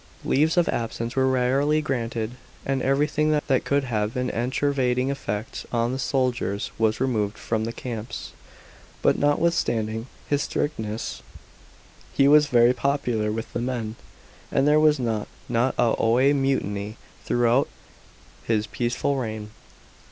Leaves of absence were rarely granted, and everything that could have an enervating effect on the soldiers was removed from the camps. But notwiths'anding his strictness he was very popular with the men, and there was not a *iuAe mutiny throughout his peaceful reign.